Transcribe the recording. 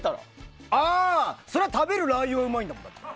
それは食べるラー油がうまいんだもん。